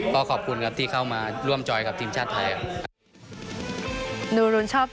ก็ขอบคุณครับที่เข้ามาร่วมจอยกับทีมชาติไทยครับ